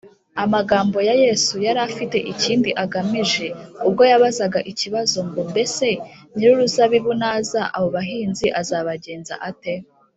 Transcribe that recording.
amagambo ya yesu yari afite ikindi agamije ubwo yabazaga ikibazo ngo, ‘mbese nyir’uruzabibu naza, abo bahinzi azabagenza ate?’